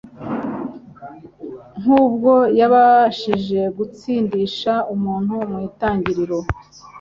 nkubwo yabashije gutsindisha umuntu mu itangiriro.